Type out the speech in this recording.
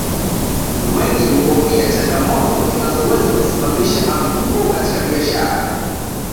Wengi huhofia changamoto zinazoweza kusababisha anguko katika biashara